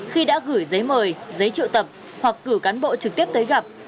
khi đã gửi giấy mời giấy triệu tập hoặc cử cán bộ trực tiếp tới gặp